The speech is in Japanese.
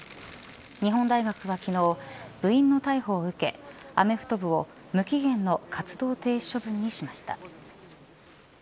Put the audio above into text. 日本大学は昨日部員の逮捕を受けアメフト部を無期限の活動停止処分にしました。